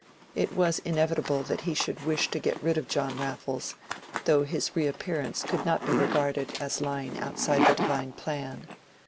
It was inevitable that he should wish to get rid of John Raffles, though his reappearance could not be regarded as lying outside the divine plan.